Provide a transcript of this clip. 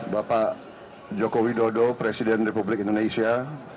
bapak joko widodo presiden republik indonesia